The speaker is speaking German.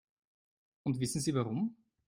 Und wissen Sie warum?